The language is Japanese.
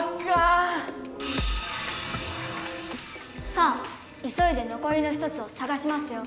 さあいそいでのこりの１つをさがしますよ！